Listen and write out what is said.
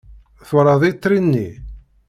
Twalaḍ itri-nni?